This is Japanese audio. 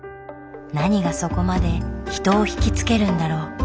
何がそこまで人を惹きつけるんだろう。